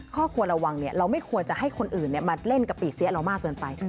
ครอบครัวระวังเราไม่ควรจะให้คนอื่นมาเล่นกับปีเสียเรามากเกินไป